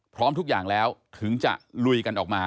พร้อมทุกอย่างแล้วถึงจะลุยกันออกมา